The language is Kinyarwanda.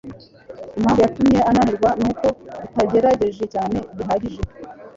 Impamvu yatumye unanirwa nuko utagerageje cyane bihagije.